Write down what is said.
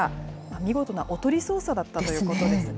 見事なおとり捜査だったということですね。